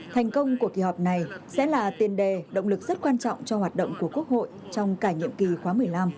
thành công của kỳ họp này sẽ là tiền đề động lực rất quan trọng cho hoạt động của quốc hội trong cả nhiệm kỳ khóa một mươi năm